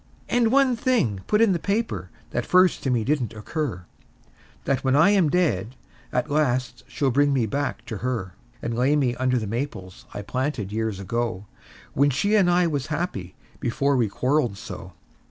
And one thing put in the paper, that first to me didn't occur: That when I am dead at last she'll bring me back to her; And lay me under the maples I planted years ago, When she and I was happy before we quarreled so.